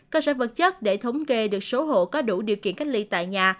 cơ sở vật chất để thống kê được số hộ có đủ điều kiện cách ly tại nhà